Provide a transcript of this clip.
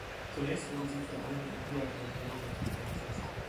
Zunächst wurde sie vor allem im Biathlon-Europacup eingesetzt.